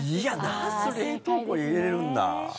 ナス冷凍庫に入れるんだ。